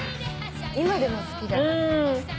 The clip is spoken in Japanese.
今でも好きだから。